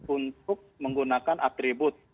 untuk menggunakan atribut